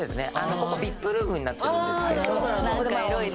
ここＶＩＰルームになってるんですけどなんかエロいね